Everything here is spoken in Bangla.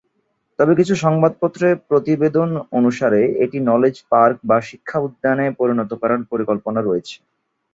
তবে কিছু সংবাদপত্রে প্রতিবেদন অনুসারে এটি "নলেজ পার্ক" বা শিক্ষা উদ্যানে পরিণত করার পরিকল্পনা রয়েছে।